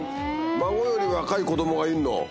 孫より若い子どもがいんの？